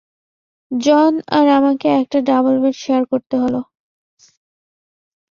জন আর আমাকে একটা ডাবল বেড শেয়ার করতে হল।